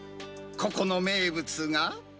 ここの名物が。